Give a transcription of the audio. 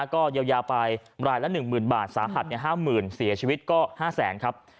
ก็เยียวยาไปรายละ๑๐๐๐บาทสาหัส๕๐๐๐เสียชีวิตก็๕แสนครับ